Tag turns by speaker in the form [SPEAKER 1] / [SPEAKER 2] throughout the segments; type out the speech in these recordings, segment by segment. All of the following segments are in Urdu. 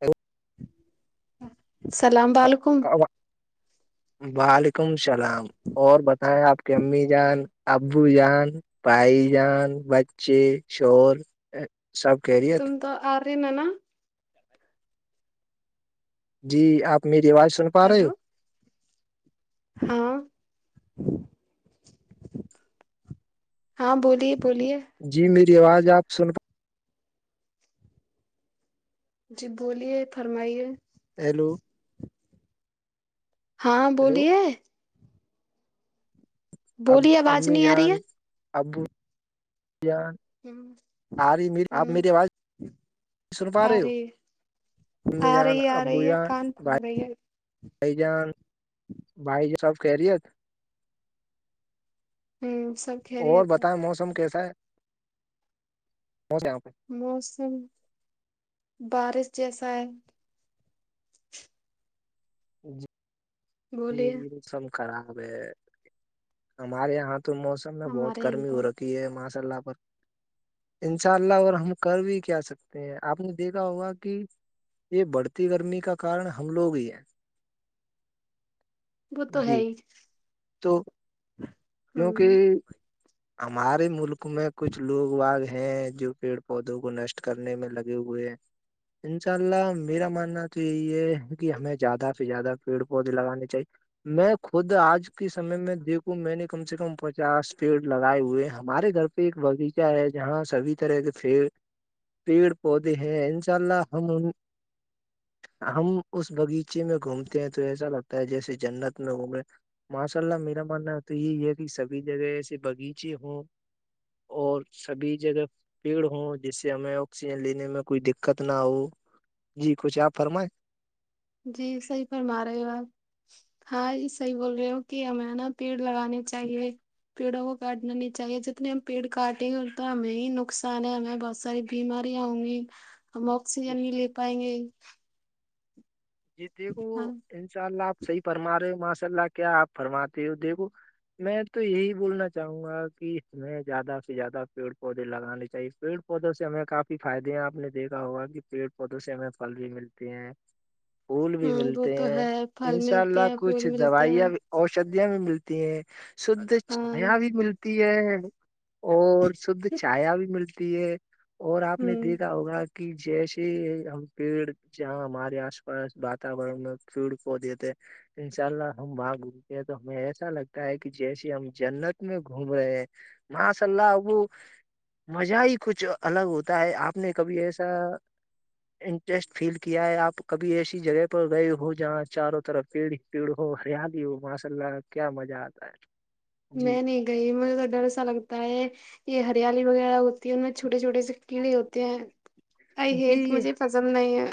[SPEAKER 1] ہ
[SPEAKER 2] السلام وعلیکم
[SPEAKER 1] وعلیکم السلام اور بتائیں آپ کی امی جان ابو جان بھائی جان بچے شور سب کہہ رہی
[SPEAKER 2] تم تو آ رہے
[SPEAKER 1] جی آپ میری آواز سن پا رہے ہو
[SPEAKER 2] ہیلو ہاں ہاں بولیے بولیے
[SPEAKER 1] جی میری آواز آپ سن
[SPEAKER 2] جی بولیے فرمائیے
[SPEAKER 1] ہیلو
[SPEAKER 2] ہاں
[SPEAKER 1] ہیلو
[SPEAKER 2] بولیے
[SPEAKER 1] اب
[SPEAKER 2] بولیے آواز
[SPEAKER 1] امی
[SPEAKER 2] نہیں آ رہی
[SPEAKER 1] جان
[SPEAKER 2] ہے
[SPEAKER 1] ابو جان آ رہی م آپ میری
[SPEAKER 2] ہ
[SPEAKER 1] آواز سن پا
[SPEAKER 2] آ
[SPEAKER 1] رہے ہو
[SPEAKER 2] رہی
[SPEAKER 1] [inaudible]
[SPEAKER 2] ہے آ
[SPEAKER 1] امیدان
[SPEAKER 2] رہی ہے آ رہی ہے
[SPEAKER 1] ابوجان
[SPEAKER 2] کان پھاڑ
[SPEAKER 1] بھائی
[SPEAKER 2] رہی ہے
[SPEAKER 1] بھائی جان بھائی ج سب کہ رہی ہےت
[SPEAKER 2] ہوں سب
[SPEAKER 1] اور
[SPEAKER 2] خیریت ہے
[SPEAKER 1] بتائیں موسم کیسا ہے یہاں پہ
[SPEAKER 2] موسم بارش جیسا ہے
[SPEAKER 1] جی ج
[SPEAKER 2] بولیے
[SPEAKER 1] موسم خراب ہے ہمارے یہاں تو موسم میں بہت
[SPEAKER 2] ہمارے یہاں
[SPEAKER 1] گرمی ہو
[SPEAKER 2] پر
[SPEAKER 1] رکھی ہے ماشاء اللہ پر انشاء اللہ اور ہم کر بھی کیا سکتے ہیں آپ نے دیکھا ہوگا کہ یہ بڑھتی گرمی کا کارن ہم لوگ ہی ہیں
[SPEAKER 2] وہ تو ہے
[SPEAKER 1] جی
[SPEAKER 2] ہی
[SPEAKER 1] تو
[SPEAKER 2] ہ
[SPEAKER 1] کیونکہ ہمارے ملک میں کچھ لوگ واگ ہیں جو پیڑ پودوں کو نشٹ کرنے میں لگے ہوئے ہیں انشاء اللہ میرا ماننا تو یہی ہے کہ ہمیں زیادہ سے زیادہ پیڑ پودے لگانے چاہیے میں خود آج کے سمے میں دیکھوں میں نے کم سے کم پچاس پیڑ لگائے ہوئے ہمارے گھر پہ ایک باغیچہ ہے جہاں سبھی طرح کے پیڑ پیڑ پودے ہیں انشاء اللہ ہم ہم اس باغیچے میں گھومتے ہیں تو ایسا لگتا ہے جیسے جنت میں گھومے ماشاء اللہ میرا ماننا تو یہی ہے کہ سبھی جگہ ایسے باغیچے ہوں اور سبھی جگہ پیڑ ہوں جس سے ہمیں آکسیجن لینے میں کوئی دقت نہ ہو جی کچھ آپ فرمائیں
[SPEAKER 2] جی صحیح فرما رہے ہو آپ ہاں جی صحیح بول رہے ہو کہ ہمیں نا پیڑ لگانے چاہیے پیڑوں کو کاٹنا نہیں چاہیے جتنے ہم پیڑ کاٹیں گ اتنا ہمیں ہی نقصان ہے ہمیں بہت ساری بیماریاں ہوں گی ہم آکسیجن ہی لے پائیں گے
[SPEAKER 1] جی دیکھو
[SPEAKER 2] ہاں
[SPEAKER 1] انشاء اللہ آپ صحیح فرما رہے ماشاء اللہ کیا آپ فرماتے ہو دیکھو میں تو یہی بولنا چاہوں گا کہ ہم زیادہ سے زیادہ پیڑ پودے لگانے چاہیے پڑ پودوں سے ہمیں کافی فائدے ہیں آپ نے دیکا ہوگا کہ پیڑ پودوں سے ہمیں پھل بھی ملتے ہیں پھول
[SPEAKER 2] ہ
[SPEAKER 1] بھی
[SPEAKER 2] وہ
[SPEAKER 1] ملتے
[SPEAKER 2] تو
[SPEAKER 1] ہیں
[SPEAKER 2] ہے پھل
[SPEAKER 1] انشاء
[SPEAKER 2] ملتے
[SPEAKER 1] اللہ
[SPEAKER 2] ہیں پھول
[SPEAKER 1] کچھ
[SPEAKER 2] ملتے ہیں
[SPEAKER 1] دوائیاں بھی اوشدیاں بھی ملتی ہیں شدھ
[SPEAKER 2] ہاں
[SPEAKER 1] چھایا بھی ملتی ہے اور شھ چایا بھی ملتی ہے اور
[SPEAKER 2] ہ
[SPEAKER 1] آپ نے دیکھا ہوگا کہ جیسے ہم پیڑ جاں ہمارے آس پا پ واتورن میں سیڑ پودے تھ ان شاء اللہ ہم وہاں گھومتے ہیں تو ہمیں ایسا لگتا ہے کہ جیسے ہم جنت میں گھوم رہے ہیں مسلہ او مزہ ہی کچھ الگ ہوتا ہے آپ نے کبھی ایسا انٹرسٹ فیل کیا ہے آپ کبھی ایسی جگہ پر گئے ہو جہاں چاروں طرف پیڑ پیڑ ہو ہریالی ہو ماشاء اللہ کیا مزہ آتا ہے جی
[SPEAKER 2] میں نہیں گئی مجھے تو ڈر سا لگتا ہے یہ ہریالی وغیرہ ہوتی ہے ان میں چھوٹے چھوٹے سے کیڑے ہوتے ہیں ائی یہ
[SPEAKER 1] جی
[SPEAKER 2] مجھے پزند نہیں ہے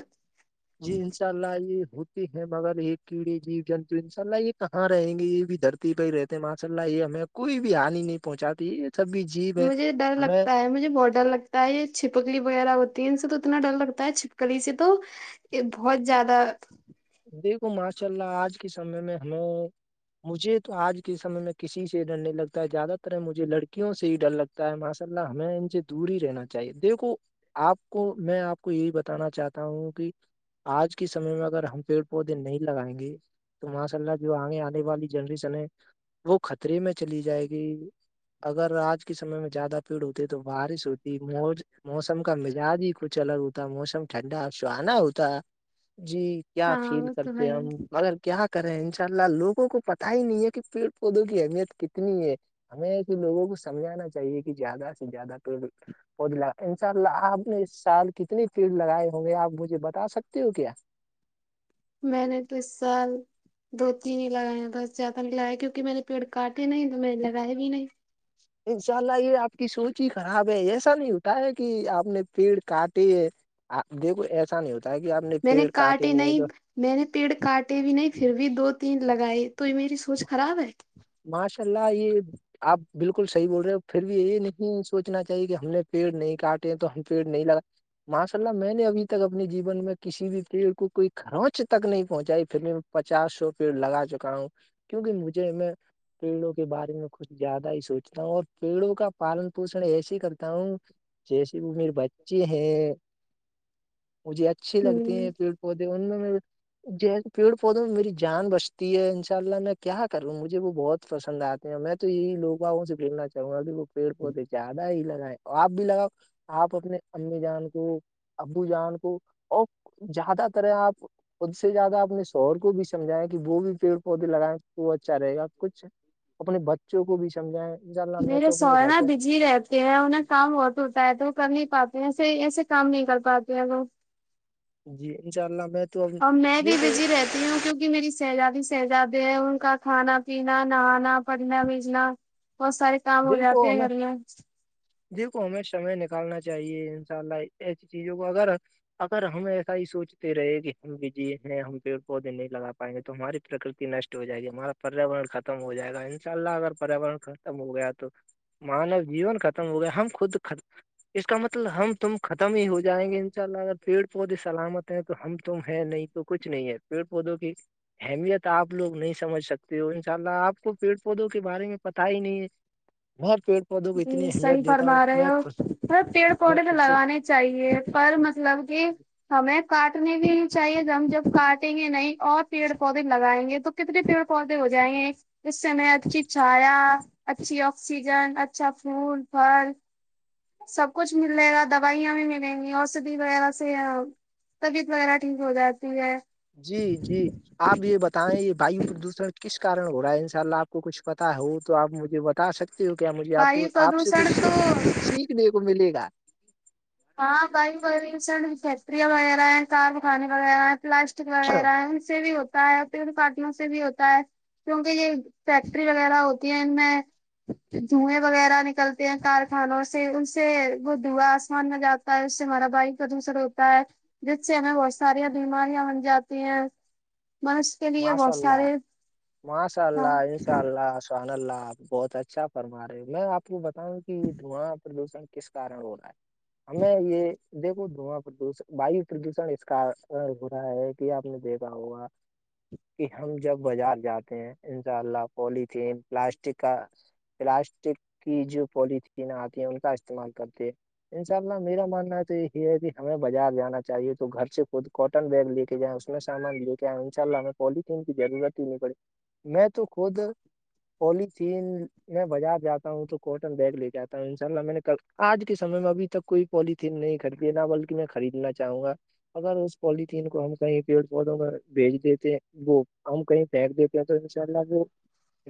[SPEAKER 1] جی انشاء اللہ یہ ہوتے ہیں مگر یہ کیڑے جیو جنتو انشاء اللہ یہ کہاں رہیں گے یہ بھی در پ ہی رہتے ماشاء اللہ یہ ہمیں کوئی بھی ہانی نہیں پہنچای یہ سب جیب
[SPEAKER 2] تو
[SPEAKER 1] ہے
[SPEAKER 2] مجھے ڈر
[SPEAKER 1] ہمیں
[SPEAKER 2] لگتا ہے مجھے بہت ڈر لگتا ہے یہ چھپکلی وغیرہ ہوتی ہے ان سے تو اتنا ڈر لگتا ہے چھپکلی سے تو یہ بہت زیادہ
[SPEAKER 1] دیکھو ماشاء اللہ آج کے سمے میں ہمیں مجھے تو آج کے سمے میں کسی سے ڈر نہیں لگتا ہے زیادہ تر ہے مجھے لڑکیوں سے ہی ڈر لگتا ماشاء اللہ ہمیں ان سے دور ہی رہنا چاہیے دیکھو آپ کو میں آپ کو یہی بتانا چاہتا ہوں کہ آج کے سمے میں اگر ہم پیڑ پودے نہیں لگائیں گے تو ماشاء اللہ جو آگے آنے والی جنریشن ہے وہ خطرے میں چلی جائے گی اگر آج کے سمے میں زیادہ پیڑ ہوتی ہے تو بارش ہوتی موج موسم کا مزاج ہی کچھ الگ ہوتا موسم ٹھنڈا سہانا ہوتا جی کیا
[SPEAKER 2] ہاں
[SPEAKER 1] فیل
[SPEAKER 2] وہ تو
[SPEAKER 1] کرتے
[SPEAKER 2] ہے
[SPEAKER 1] ہیں ہم مگر کیا کرے ان شاء اللہ لوگوں کو پتا ہی نہیں ہے کہ پیڑ پودوں کی اہمیت کتنی ہے ہمیں کہ لوگوں کو سمجھانا چاہیے کہ زیادہ سے زیادہ تو ود ان شاء اللہ آپ نے اس سال کتنی پیڑ لگائے ہوں گے آپ مجھے بتا سکتے ہو کیا
[SPEAKER 2] میں نے تو اس سال دو تین ہی لگائے ہیں بس زیاد نہیں لگایا کیونکہ میرے پیڑ کاٹ ہی نہیں تو میں لگائے بھی نہیں
[SPEAKER 1] انشاء اللہ یہ آپ کی سوچ ہی خراب ہے ایسا نہیں اٹھا ہے کہ آپ نے پیڑ کاٹے ہے آپ دیکھو ایسا نہیں ہوتا ہے کہ آپ نے پیڑ کاٹے نہیں ہے تو
[SPEAKER 2] میں نے پیڑ کاٹے بھی نہیں پھر بھی دو تین لگائے تو میری سوچ خراب ہے
[SPEAKER 1] ماشاء ال یہ آپ بالکل صحیح بول رہے پھر بھی یہ نہیں سوچنا چاہیے کہ ہم نے پیڑ نہیں کاٹے تو ہم پیڑ نہیں لگا ماشاء اللہ میں نے ابھی تک اپنے جیون میں کسی بھی پیڑ کو کوئی خرانچ تک نہیں پہنچائی پھر میں پچاس سو پھر لگا چکا ہوں کیونکہ مجھے میں پیڑوں کے بارے میں کچھ زیادہ ہی سوچتا ہوں اور پیڑوں کا پالن پوشن ایسے کرتا ہوں جیسے وہ میرے بچے ہیں مجھے اچھے لگتے ہیں
[SPEAKER 2] ہوں
[SPEAKER 1] پ پودے ان میں جیسے پیڑ پودوں میں میری جان بچتی ہے ان شاء اللہ میں کیا کروں مجھے مجھے وہ بہت پسند آتے ہیں اور میں تو یہی لوگاؤں سے پھیلنا چاہوں گا ا وہ پیڑ بہت ہی زیادہ ہی لگا ہے آپ بھی لگاؤ آپ اپنے امی جان کو ابو جان کو اور زیادہ ترح آپ اس سے زیادہ اپنے شوہر کو بھی سمجھائےیں کہ وہ بھی پیڑ پودے لگائےیں وہ اچھ اا رہے گا کچھ اپنے بچوں کو بھی سمجھائیں ان شاء اللہ میں
[SPEAKER 2] میرے
[SPEAKER 1] تو اپنے
[SPEAKER 2] سوہ
[SPEAKER 1] گھر
[SPEAKER 2] نا
[SPEAKER 1] پہ
[SPEAKER 2] بجی رہے تھ ہے انہیں کام بہت ہوتا ہے تو وہ کر نہیں پاتے ہیں ایسے ایسے کام نہیں کر پاتے ہیں وہ
[SPEAKER 1] جی انشاء اللہ میں تو
[SPEAKER 2] اور میں بھی
[SPEAKER 1] دیکھو
[SPEAKER 2] بزی رہتی کیونکہ میری شہزادی شہزادے ہیں ان کا کھانا پینا نہانا پڑھنا بیجنا [unintelligible] بسار
[SPEAKER 1] بالک میں دیکھو ہمیں سمے نکالنا چاہیے ان شاء اللہ ایسی چیزوں کو اگر اگر ہم ایسا ہی سوچتے رہے کہ ہم بھیجی ہیں ہم پیڑ پودے نہیں لگا پائیں گے تو ہماری پرکرتی نشٹ ہو جائے گی ہمارا پریاورن ختم ہو جائے گا ان شاء اللہ اگر پریاورن ختم ہو گیا تو تو مانو جیون ختم ہو گیا ہم خود اس کا مطلب ہم تم ختم ہی ہو جائیں گے ان شاء اللہ اگر پیڑ پودے سلامت ہیں تو ہم تم ہے نہیں تو کچھ نہیں ہے پیڑ پودوں کی اہمیت آپ لوگ نہیں سمجھ سکتے ہو ان شاء اللہ آپ کو پیڑ پودوں کے بارے میں پتا ہی نہیں ہے بر پھر
[SPEAKER 2] جی صحیح فرما رہے ہو تھ پیڑ
[SPEAKER 1] میں
[SPEAKER 2] پودے تو
[SPEAKER 1] خود سے
[SPEAKER 2] لگانے چاہیے پر مطلب کہ ہمیں کاٹنی بھی نہیں چاہیے ہم جب کاٹیں گے نہیں اور پیڑ پودے لگائیں گے تو کتنے پیڑ پودے ہو جائیں گے اس سے میں اچھی چھایا اچھی آکسیجن چا فول فال سب کچھ مل جے گا دوائیاں بھی ملیں گی اسدھی وغیرہ سے طبیعت وغیرہ ٹھیک ہو جاتی ہے
[SPEAKER 1] جی جی آپ یہ بتائیں یہ وایو پردوشن کس کن ہو رہا ہے ان شاء اللہ آپ کو کچھ پتا ہو تو آپ مجھے بتا سکتے سے ہو کیا مجھے آپ کو
[SPEAKER 2] وایو
[SPEAKER 1] آپ سے
[SPEAKER 2] پردوشن
[SPEAKER 1] کچھ
[SPEAKER 2] تو
[SPEAKER 1] سیکھنے کو ملے گا
[SPEAKER 2] ہاں بائی بیر سر چتریاں وغیرہ ہیں کار بخانے وغیرہ ہیں پلاس وغیرہ ہے سے بھی ہوتے ہوتا ہے پ پارٹلوں سے بھی ہوتا ہے کیونکہ یہ فیکٹری وغیرہ ہوتی ہے ان میں دھوئیں وغیرہ نکلتے ہیں کارخانوں سے ان سے وہ دھو مان م جاتا ہے اس سے ہمارا بھائی پردوشر ہوتا ہے جس سے ہمیں بہت ساریاں بیماریاں بن جاتی ہیں م
[SPEAKER 1] ماساء اللہ ماساء اللہ انشاء اللہ شن اللہ آپ بہت اچھا فرما رہے ہو میں آپ کو بتاؤں کہ دعاں پردوشن کس کارن ہو رہا ہے ہمیں یہ دیکو دھواں پردش ویو پردوشن اس کا ہو رہا ہے کہ آپ نے دیکھا ہوگا کہ ہم جب بازار جاتے ہیں انشاء اللہ پولییتھیین پلاسٹک کا پلاسٹک کی جو پولیتھیین آتی ہے ان کا استعمال کرتے ہیں انشاء اللہ میرا ماننا تو یہی ہے کہ ہمیں بازار جانا چاہیے تو گھر سے خود کوٹن بیگ لے کے ج اس میں سامان لے کے آ ان شاء اللہ ہم پوالیتھیین کی ضرورت ہی نہیں پڑی میں تو خود پلیتھیین میں بازار جاتا ہوں تو کوٹن بیگ لے کے آا ہوں انشاء اللہ میں نے کل آج کے سم میں ابھی تک کوئی پولیتھین نہیں خرید ہے نہ بلکہ میں خریدنا چاہوں گا اگر اس پوالیتھیین کو ہم کہیں پیڑ پودوں گے بھیج دیتے وہ ہم کہیں پھیر دیتے تو انشاء اللہ وہ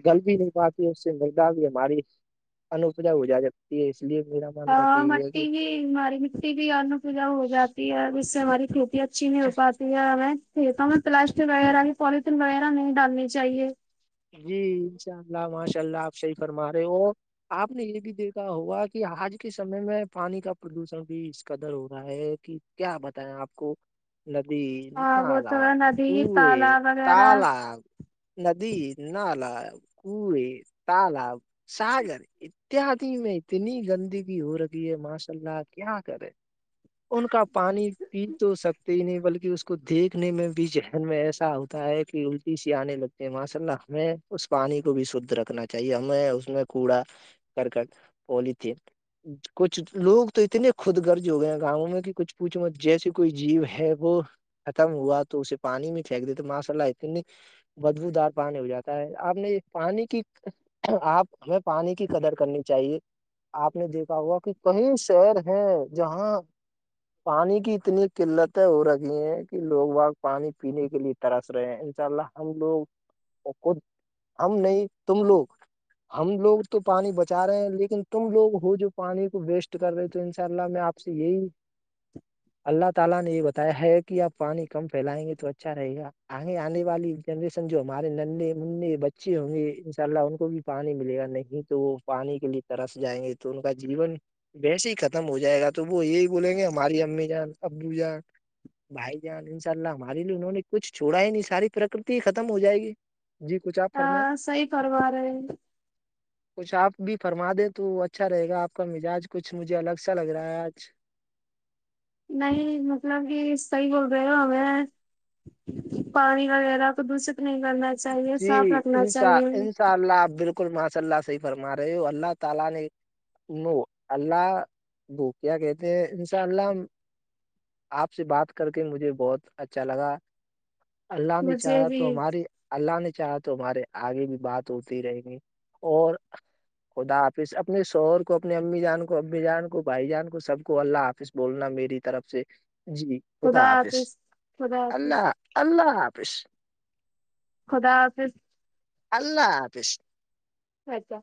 [SPEAKER 1] گل بھی نہیں پاتی اس سے مرگا بھی ہماری انپجا ہو جا جکتی ہے اس لیے میرا ماننا
[SPEAKER 2] ہاں
[SPEAKER 1] چاہیے
[SPEAKER 2] مٹی
[SPEAKER 1] کہ
[SPEAKER 2] بھی ہماری مٹی بھی ان پوجا ہو جاتی ہے ج سے ہماری کھیتی اچھی نہیں ہو پاتی میں کھیتوںیں پلاسٹک وغیرہ یا پوالتھیین وغیرہ نہیں ڈالنی چاہیے
[SPEAKER 1] جی انشاء اللہ ماشاء اللہ آپ شی فرما رہے ہو آپ نے یہ بھی دیکھا ہوگا کہ آج کے سمے میں پانی کا پردوشن بھی اس قدر ہو رہا ہے کہ کیا بتیں آپ کو ندی
[SPEAKER 2] ہاں وہ تو
[SPEAKER 1] نالب
[SPEAKER 2] ندی
[SPEAKER 1] کو
[SPEAKER 2] تالاب وغیرہ
[SPEAKER 1] تالاب ندی نالاب کوور تالاب ساگرر اتدی میں اتنی گندگی ہو رہگی ہے ماشاء اللہ کیا کرے ان کا پانی پی تو سک ہو ہی نہیں بلکہ اس کو دیکھنے میں بھی ذہن میں ایسا ہوتا ہے کہ الٹی سی آنے لگتے ہیں ماشاء اللہ ہمیں اس پانی کو بھی شھ رکھنا چاہیے ہمیں اس میں کوڑا [unintelligible] کررکٹ پلیتین [unintelligible] کچھ لوگ تو اتنے خود گرج ہو گئے گاؤوں میں کہ کچھ پوچھ م جیسی کوئی جیو ہے وہ ختم ہوا تو اسے پانی میں پھینک دیتے ماشاء اللہ اتنی بدبوودار پانی ہو جاتا آپ نے پانی کی آپ ہمیں پانی کی قدر کرنی چاہیے [unintelligible] آپ نے دیکھا ہوا کہ کن شہر ہیں جہاں پانی کی اتنی قلت ہے ہو رکھی ہیں کہ لوگ واق پانی پینے کے لیے ترس رہے ہیں ان شاء اللہ ہم لوگ ہم نہیں تم لوگ ہم لوگ تو پانی بچا رہے ہیں لیکن تم لوگ ہو جو پانی کو ویسٹ کر رہے تو ان شاء اللہ میں آپ اچھ یہی
[SPEAKER 2] [inaudible]
[SPEAKER 1] [unintelligible] آ آنے والی جنریشن جو ہمارے نے ان میں بچے ہوں گے ان شاء اللہ ان کو بھی پانی ملے گا نہیں تو وہ پانی کے لیے طرح جائیں گے تو ان کا جیون [inaudible] ویس ہی ختم ہو جائے گا تو وہ یہی بولیں گے ہماری امی جان ابو جان بھائی جان ان شاء اللہ ہمارے لیے انہوں نے کچھ چھوڑا ہی نہیں ساری پرکرتی ہی ختم ہو جائے گی جی کچھ آپ فرمائیں
[SPEAKER 2] صحیح کروا رہے ہیں،
[SPEAKER 1] کچھ آپ بھی فرما دیں تو اچھا رہے گا آپ کا مزاج کچھ مجھے الگ سا لگ رہا ہے آج
[SPEAKER 2] نہیں مطلب کہ صحیح بول رہے ہو ہمیں پانی وغیرہ تو دوسر [inaudible]
[SPEAKER 1] جی انشاء انشاء اللہ بالکل [unintelligible] نو اللہ وہ کیا کہتے ہیں انشاء اللہ [unintelligible] آپ سے بات کر کے مجھے بہت اچھا لگا اللہ نے
[SPEAKER 2] مجھے
[SPEAKER 1] چاہا
[SPEAKER 2] بھی
[SPEAKER 1] تو ہمارے اللہ نے چاہا تو ہمارے آگے بھی بات ہوتی رہے گی اور خدا آاظ اپنے شوہر کو اپنی امی جان کو امی جان کو بھائی جان کو سب کو اللہ حافظ بولنا میری طرف سے جی ہوتا
[SPEAKER 2] خدا
[SPEAKER 1] حافظ
[SPEAKER 2] خدا حافظ
[SPEAKER 1] اللہ اللہ حافظ
[SPEAKER 2] خدا حافظ
[SPEAKER 1] اللہ حافظ [unintelligible]
[SPEAKER 2] اچھا [unintelligible]